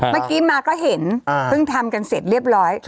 เมื่อกี้มาก็เห็นเพิ่งทำกันเสร็จเรียบร้อย